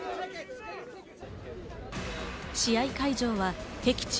試合会場は敵地